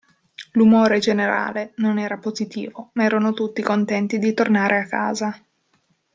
L'umore generale non era positivo, ma erano tutti contenti di tornare a casa.